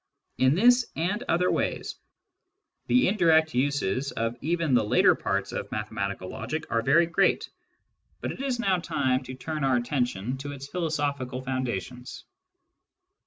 In this and other ways, the indirect uses of *•*' even the later parts of mathematical logic are very great ;^ but it is now time to turn our attention to its philosophical foundations.